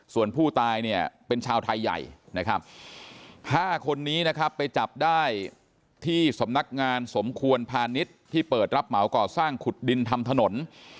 ส่วนผู้ตายเนี่ยเป็นชาวไทยใหญ่นะครับ๕คนนี้นะครับไปจับได้ที่สำนักงานสมควรพาณิชย์ที่เปิดรับเหมาก่อสร้างขุดดินทำถนน